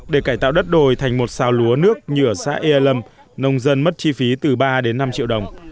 để cải tạo đất đồi thành một xào lúa nước như ở xã ya lâm nông dân mất chi phí từ ba đến năm triệu đồng